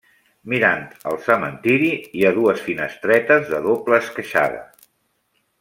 Mirant al cementeri hi ha dues finestretes de doble esqueixada.